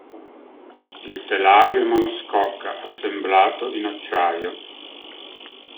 Il telaio è monoscocca assemblato in acciaio.